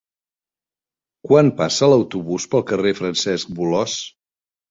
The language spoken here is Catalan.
Quan passa l'autobús pel carrer Francesc Bolòs?